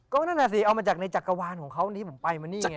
ก็นั่นแหละสิเอามาจากในจักรวาลของเขาวันนี้ผมไปมานี่ไง